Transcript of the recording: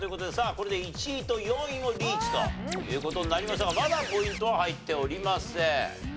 これで１位と４位もリーチという事になりましたがまだポイントは入っておりません。